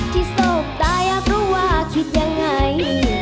ที่โศกตายอยากรู้ว่าคิดยังไง